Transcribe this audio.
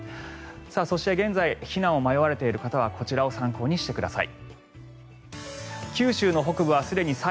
そして、現在避難を迷われている方はこちらを参考にしてください。